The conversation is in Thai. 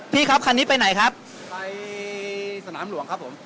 พี่ครับคันนี้ไปไหนครับไปสนามหลวงครับผม